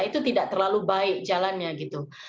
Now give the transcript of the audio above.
itu tidak terlalu baik jalannya gitu